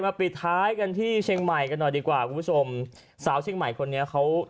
มันจินตนาการไง